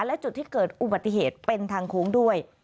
และจุดที่เกิดอุบัติเหตุเป็นทางโค้งด้วย